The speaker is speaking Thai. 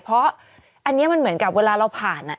เพราะอันนี้มันเหมือนกับเวลาเราผ่าน